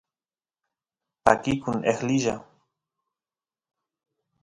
pakikun eqlilla